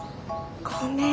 ごめん。